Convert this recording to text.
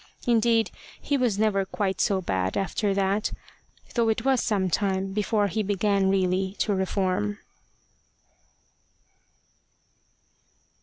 Indeed, he was never quite so bad after that, though it was some time before he began really to reform.